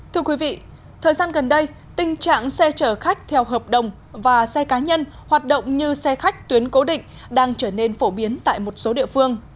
thưa quý vị thời gian gần đây tình trạng xe chở khách theo hợp đồng và xe cá nhân hoạt động như xe khách tuyến cố định đang trở nên phổ biến tại một số địa phương